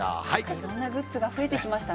いろんなグッズが増えてきま